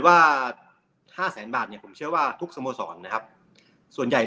ว่าห้าแสนบาทเนี่ยผมเชื่อว่าทุกสโมสรนะครับส่วนใหญ่